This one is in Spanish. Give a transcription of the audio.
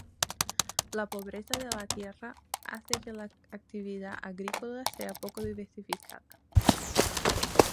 La pobreza de la tierra hace que la actividad agrícola sea poco diversificada.